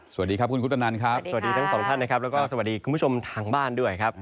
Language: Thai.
สวัสดีครับคุณคุปตนันครับสวัสดีทั้งสองท่านนะครับแล้วก็สวัสดีคุณผู้ชมทางบ้านด้วยครับ